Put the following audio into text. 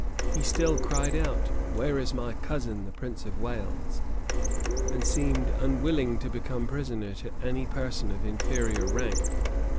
He still cried out, "Where is my cousin, the prince of Wales?" and seemed unwilling to become prisoner to any person of inferior rank.